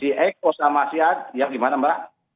si eko samahadi ya gimana mbak